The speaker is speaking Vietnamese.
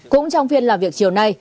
cũng trong phiên làm việc chiều nay